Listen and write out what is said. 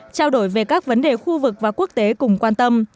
trao đổi về các vấn đề khu vực và quốc tế cùng quan tâm